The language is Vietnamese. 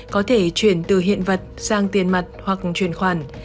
có thể chuyển từ hiện vật sang tiền mặt hoặc chuyển khoản